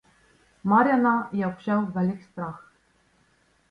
Marjana je obšel velik strah.